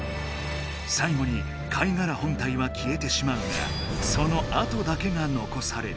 さいごに貝がら本体はきえてしまうがそのあとだけがのこされる。